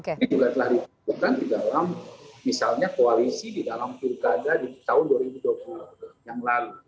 ini juga telah ditemukan di dalam misalnya koalisi di dalam pilkada di tahun dua ribu dua puluh yang lalu